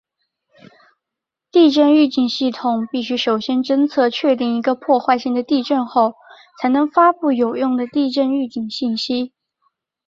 地震预警系统必须首先侦测确定一个破坏性的地震后才能发布有用的地震预警信息。